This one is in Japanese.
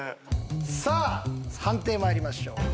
さあ判定まいりましょう。